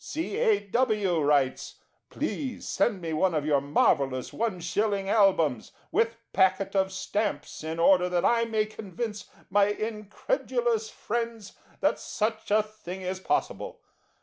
C. A. W. writes: "Please send me one of your marvellous 1/ Albums, with packet of stamps, in order that I may convince my incredulous friends that such a thing is possible."